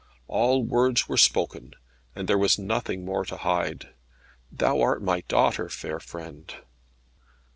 All words were spoken, and there was nothing more to hide. "Thou art my daughter, fair friend."